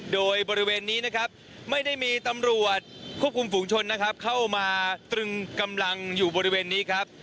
โดยบริเวณนี้นะครับไม่ได้มีตำรวจควบคุมฝุงชนนะครับเข้ามาตรึงกำลังอยู่บริเวณนี้ครับ